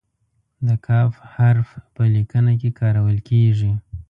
د "ک" حرف په لیکنه کې کارول کیږي.